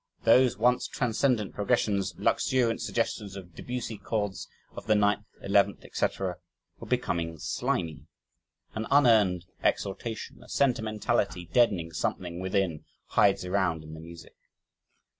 Those once transcendent progressions, luxuriant suggestions of Debussy chords of the 9th, 11th, etc., were becoming slimy. An unearned exultation a sentimentality deadening something within hides around in the music.